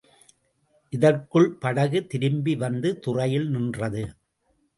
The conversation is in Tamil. இதற்குள் படகு திரும்பி வந்து துறையில் நின்றது.